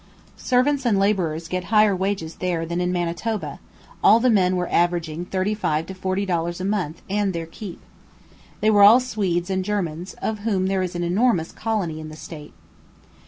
Servants and labourers get higher wages there than in Manitoba, all the men were averaging thirty five to forty dollars a month and their keep. They were all Swedes and Germans, of whom there is an enormous colony in the state.